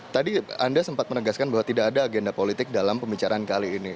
tadi anda sempat menegaskan bahwa tidak ada agenda politik dalam pembicaraan kali ini